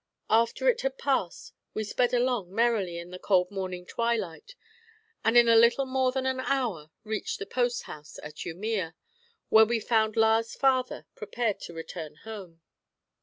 After it had passed, we sped along merrily in the cold morning twilight, and in a little more than an hour reached the post house at Umeĺ, where we found Lars' father prepared to return home.